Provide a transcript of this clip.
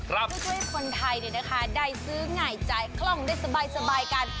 เพื่อช่วยคนไทยเนี่ยนะคะได้ซื้อง่ายจ่ายคล่องได้สบายกัน